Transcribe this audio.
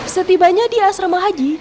setibanya di asrama haji